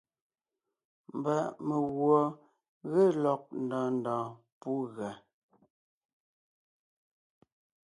Mba meguɔ ge lɔg ndɔɔn ndɔɔn pú gʉa.